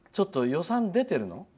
予算出てるの？